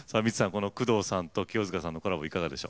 この工藤さんと清塚さんのコラボいかがでしょう？